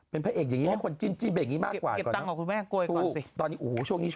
เป็นพระเอกอย่างนี้ให้คนจินแบบนี้มากกว่าก่อน